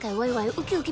ウキウキ！